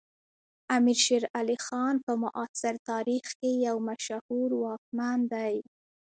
امیر شیر علی خان په معاصر تاریخ کې یو مشهور واکمن دی.